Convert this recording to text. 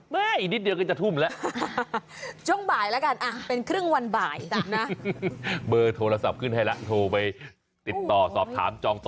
เปิดเที่ยงละกัน